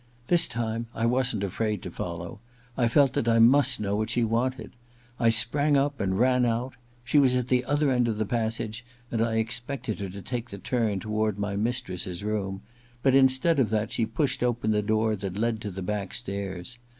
This time I wasn't afraid to follow — I felt that I must know what she wanted. I sprang up and ran out. She was at the other end of the passage, and I expected her to take the turn toward I50 THE LADY'S MAID'S BELL iv my mistress's room ; but instead of that she pushed open the door that led to the back stairs.